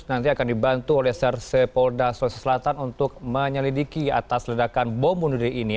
nanti akan dibantu oleh serse polda sulawesi selatan untuk menyelidiki atas ledakan bom bunuh diri ini